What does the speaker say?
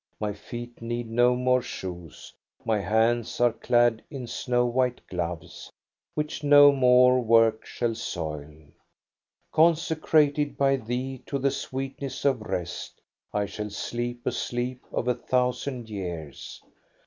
My feet need no more shoes, my hands are clad in snow white gloves, which no more work shall soil. Consecrated by thee to the sweetness of rest, I shall sleep a sleep of a thousand years.